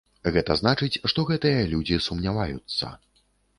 Гэта значыць, што гэтыя людзі сумняваюцца.